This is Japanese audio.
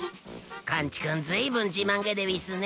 カンチくんずいぶん自慢げでうぃすね。